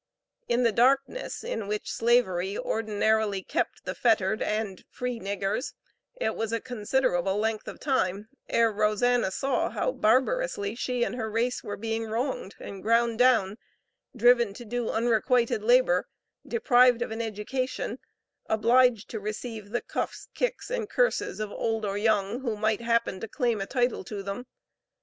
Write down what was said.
In the darkness in which Slavery ordinarily kept the fettered and "free niggers," it was a considerable length of time ere Rosanna saw how barbarously she and her race were being wronged and ground down driven to do unrequited labor deprived of an education, obliged to receive the cuffs, kicks, and curses of old or young, who might happen to claim a title to them.